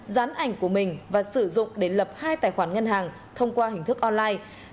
dán ảnh của mình và sử dụng để lập hai tài khoản ngân hàng thông qua hình thức online